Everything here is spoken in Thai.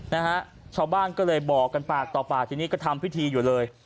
นะฮะชาวบ้านก็เลยบอกกันปากต่อปากทีนี้ก็ทำพิธีอยู่เลย